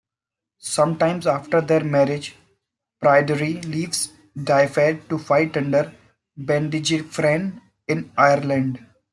Some time after their marriage, Pryderi leaves Dyfed to fight under Bendigeidfran in Ireland.